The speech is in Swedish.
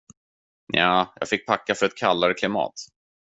Nja, jag fick packa för ett kallare klimat.